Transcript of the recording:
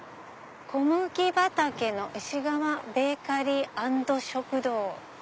小麦畑の石窯ベーカリー＆食堂。